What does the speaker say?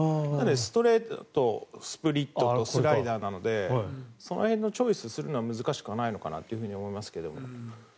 ストレートとスプリットとスライダーなのでその辺のチョイスをするのは難しくないのかなと思いますけど。